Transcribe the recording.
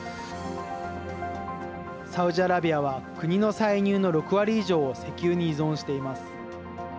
サウジアラビアは国の歳入の６割以上を石油に依存しています。